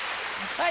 はい。